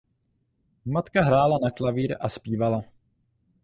Matka hrála na klavír a zpívala.